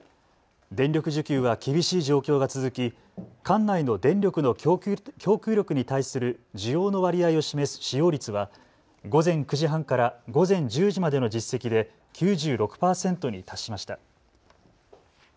電力需給は厳しい状況が続き管内の電力の供給力に対する需要の割合を示す使用率は午前９時半から午前１０時までの実績で９６％に達しました。